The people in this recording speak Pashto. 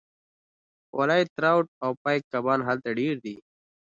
والای ټراوټ او پایک کبان هلته ډیر دي